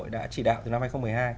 đã chỉ đạo từ năm hai nghìn một mươi hai